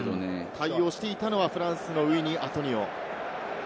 対応していたのはフランスのウイニ・アトニオ。